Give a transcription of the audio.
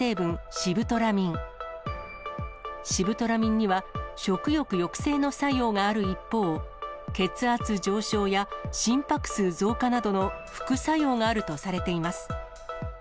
シブトラミンには、食欲抑制の作用がある一方、血圧上昇や心拍数増加などの副作用があるとされています。